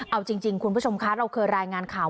เอาจริงคุณผู้ชมคะเราเคยรายงานข่าว